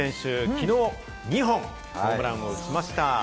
きのう２本ホームランを打ちました！